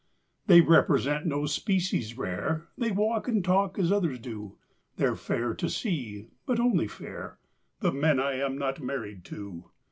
They represent no species rare, They walk and talk as others do; They're fair to see but only fair The men I am not married to.